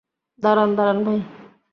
দাঁড়ান, দাঁড়ান ভাই।